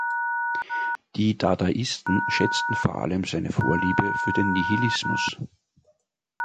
Die Dadaisten schätzten vor allem seine Vorliebe für den Nihilismus.